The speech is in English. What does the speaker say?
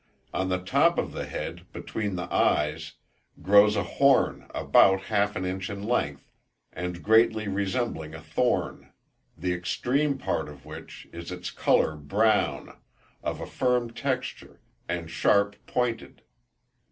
On the top of the head, between the eyes, grows a horn about half an inch in length, and greatly resembling a thorn; the extreme part of which is in colour brown, of a firm texture, and sharp pointed.